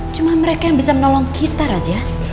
cuma mereka yang bisa menolong kita raja